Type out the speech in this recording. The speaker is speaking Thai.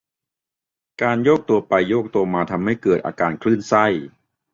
การโยกตัวไปโยกตัวมาทำให้เกิดอาการคลื่นไส้